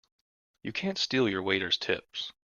You can't steal your waiters' tips!